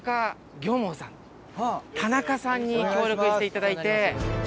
田中さんに協力していただいて。